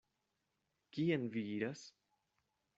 Kien vi iras?